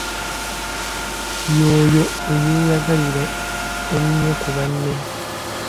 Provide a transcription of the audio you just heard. Y'oyo eyeeyagalira ennyo ku banne.